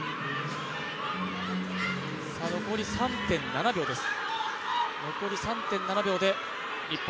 残り３．７秒です。